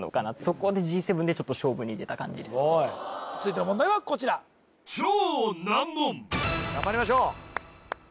そこでＧ７でちょっと勝負に出た感じです・すごい！続いての問題はこちら頑張りましょう！